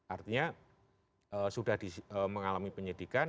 artinya sudah mengalami penyidikan